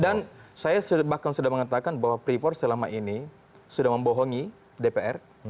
dan saya bahkan sudah mengatakan bahwa peripor selama ini sudah membohongi dpr